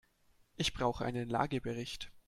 Ich brauche einen Lagebericht.